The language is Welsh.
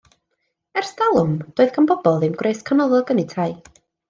Ers talwm doedd gan bobl ddim gwres canolog yn eu tai.